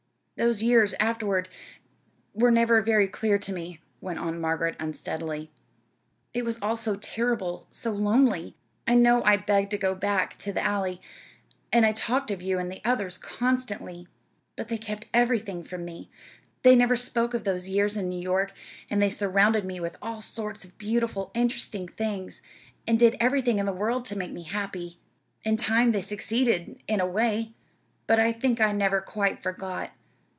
"Those years afterward, were never very clear to me," went on Margaret, unsteadily. "It was all so terrible so lonely. I know I begged to go back to the Alley; and I talked of you and the others constantly. But they kept everything from me. They never spoke of those years in New York, and they surrounded me with all sorts of beautiful, interesting things, and did everything in the world to make me happy. In time they succeeded in a way. But I think I never quite forgot.